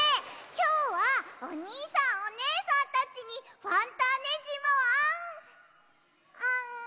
きょうはおにいさんおねえさんたちにファンターネじまをあん。